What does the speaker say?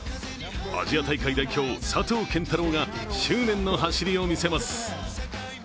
アジア大会代表、佐藤拳太郎が執念の走りを見せます。